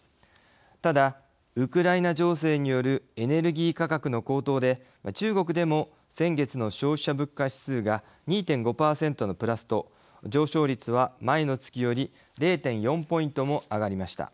ただ、ウクライナ情勢によるエネルギー価格の高騰で中国でも先月の消費者物価指数が２．５％のプラスと上昇率は前の月より０．４ポイントも上がりました。